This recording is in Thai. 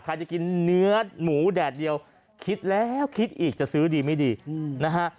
ใครจะกินเนื้อหมูแดดเดียวคิดแล้วคิดอีกจะซื้อดีไม่ดีนะฮะ